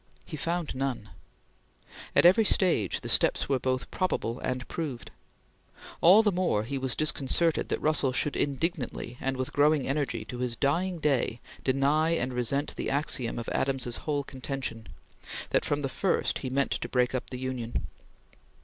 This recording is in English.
He found none. At every stage the steps were both probable and proved. All the more he was disconcerted that Russell should indignantly and with growing energy, to his dying day, deny and resent the axiom of Adams's whole contention, that from the first he meant to break up the Union.